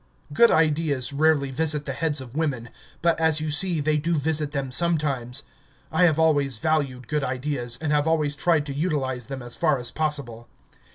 Good ideas rarely visit the heads of women, but, as you see, they do visit them sometimes. I have always valued good ideas, and have always tried to utilise them as far as possible.